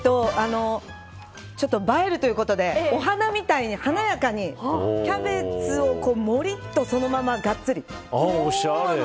ちょっと映えるということでお花みたいに華やかにキャベツをもりっとそのままがっつり。